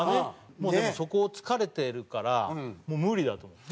もうでもそこを疲れてるから無理だと思う。